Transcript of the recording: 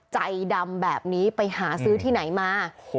ใจดำแบบนี้ไปหาซื้อที่ไหนมา